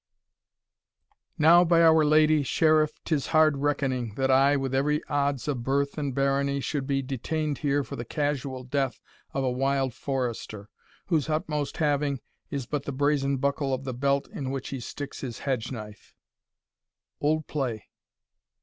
Now, by Our Lady, Sheriff, 'tis hard reckoning, That I, with every odds of birth and barony Should be detain'd here for the casual death Of a wild forester, whose utmost having Is but the brazen buckle of the belt In which he sticks his hedge knife. OLD PLAY.